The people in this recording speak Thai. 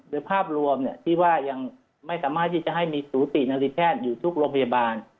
โดยภาพรวมที่ว่ายังไม่สามารถที่จะให้มีสูตินาริแพทย์อยู่ทุกโรงพยาบาล